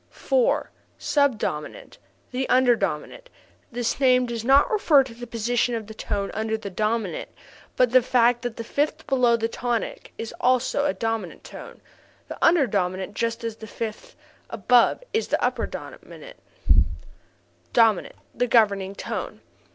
4. Sub dominant the under dominant. (This name does not refer to the position of the tone under the dominant but to the fact that the fifth below the tonic is also a dominant tone the under dominant just as the fifth above is the upper dominant). 5. Dominant the governing tone.